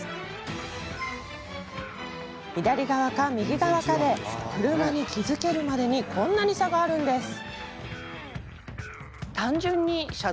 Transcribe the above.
左側か右側かで車に気付けるまでにこんなに差があるんです。